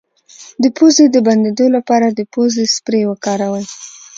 د پوزې د بندیدو لپاره د پوزې سپری وکاروئ